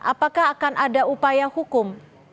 apakah akan ada upaya hukum